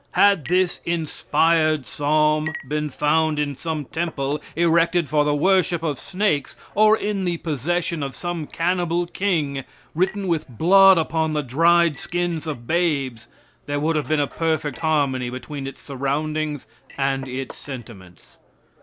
Had this inspired Psalm been found in some temple erected for the worship of snakes, or in the possession of some cannibal king, written with blood upon the dried skins of babes, there would have been a perfect harmony between its surroundings and its sentiments.